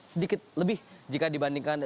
sedikit lebih jika dibandingkan